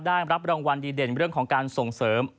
ได้รับรางวัลดีเด่นเรื่องของการส่งเสริม